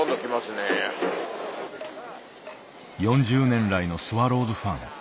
４０年来のスワローズファン。